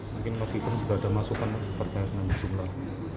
mungkin masih pun tidak ada masukan mas pergantungan jumlah perang menteri